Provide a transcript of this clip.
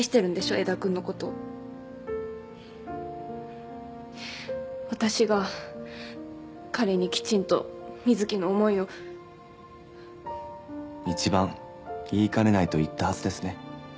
江田君のこと私が彼にきちんと瑞貴の思いを一番言いかねないと言ったはずですね